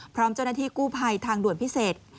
พร้อมเจ้าหน้าที่กู้ภัยทางด่วนพิเศษ